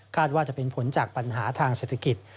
ว่าจะเป็นผลจากปัญหาทางเศรษฐกิจ